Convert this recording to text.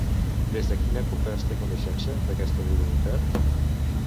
Des de quina època es té coneixença d'aquesta divinitat?